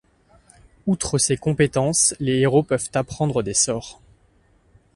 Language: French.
Outre ces compétences, les héros peuvent apprendre des sorts.